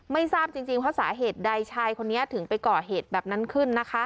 ไม่ทราบจริงว่าสาเหตุใดชายคนนี้ถึงไปก่อเหตุแบบนั้นขึ้นนะคะ